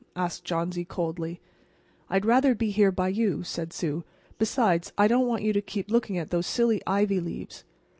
asked Johnsy, coldly. "I'd rather be here by you," said Sue. "Besides I don't want you to keep looking at those silly ivy leaves."